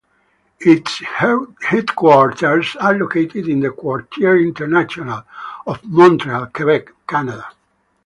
Its headquarters are located in the "Quartier International" of Montreal, Quebec, Canada.